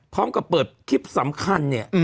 พร้อมกับเปิดคลิปสำคัญเนี่ย